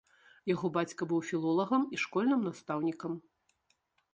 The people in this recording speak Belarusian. Яго бацька быў філолагам і школьным настаўнікам.